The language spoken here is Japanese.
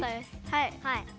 はい。